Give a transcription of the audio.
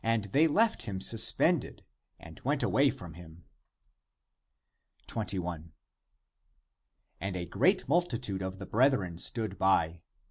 <Ancl they left him suspended and went away from him.> 21. <And a great multitude of the brethren stood by.>